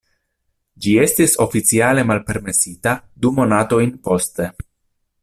Ĝi estis oficiale malpermesita du monatojn poste.